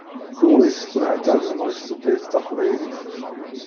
Kunwi tettneɛtabem ɣef tutlayt taqbaylit.